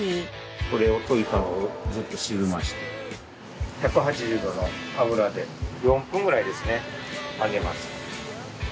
これを溶いたのをずっと沈ませて１８０℃の油で４分くらいですね揚げます。